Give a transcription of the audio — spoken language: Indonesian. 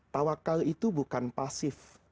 tawakal itu bukan pasif